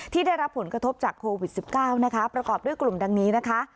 ได้รับผลกระทบจากโควิด๑๙นะคะประกอบด้วยกลุ่มดังนี้นะคะ